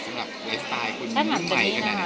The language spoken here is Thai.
สำหรับไลฟ์สไตล์คนใหม่กันนะครับ